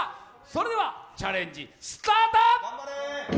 それではチャレンジスタート